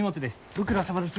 ご苦労さまです。